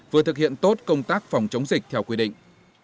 vừa thực hiện tốt công tác phòng chống dịch theo quy định